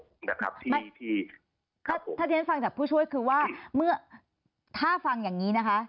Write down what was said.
ถ้าฟังจากผู้ช่วยคือว่าถ้าฟังอย่างนี้นะคะ